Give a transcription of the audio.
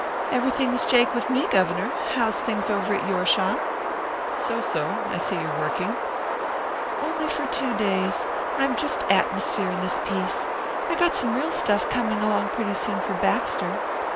"Everything's jake with me, Governor. How's things over at your shop?" "So, so. I see you're working." "Only for two days. I'm just atmosphere in this piece. I got some real stuff coming along pretty soon for Baxter.